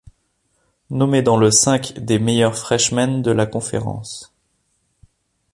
Nommée dans le cinq des meilleures freshmen de la conférence.